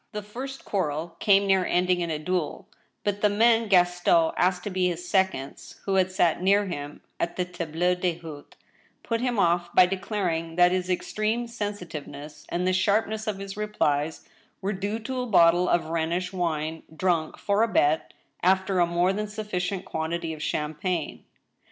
The first quarrel came near ending in a dyel ; but the men Gas ton asked to be his seconds, who had sat near him at the tabU^ d'hdte, put him off by declaring that his extrenie sensitiveness and the sharpness of his replies were due to a bottle of Rhenish wine, drunk, for a bet, after a more than sufficient quantity of champagne.